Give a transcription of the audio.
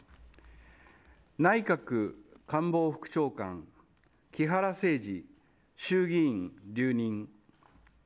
内閣官房副長官木原誠二衆議員、留任。